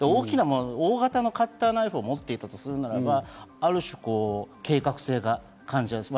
大きなカッターナイフを持っていたとするならば、ある種、計画性が感じられる。